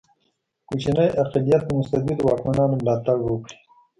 کوچنی اقلیت د مستبدو واکمنانو ملاتړ وکړي.